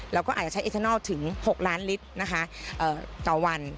เราก็อาจจะใช้เอทานอลถึง๖ล้านลิตรนะคะต่อวัน